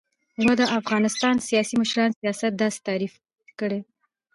و : د افغانستان سیاسی مشران سیاست داسی تعریف کړی